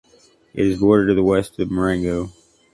It is bordered to the west by Marengo.